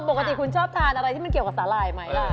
คุณอ้อมปกติคุณชอบทานอะไรที่มันเกี่ยวกับสาหร่ายไหม